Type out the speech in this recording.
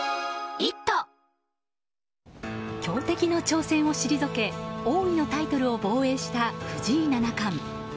強敵の挑戦を退け王位のタイトルを防衛した藤井七冠。